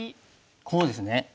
こうですね。